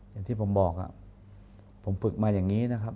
กับที่ผมบอกว่าผมปฏิกิจมาอย่างนี้นะครับ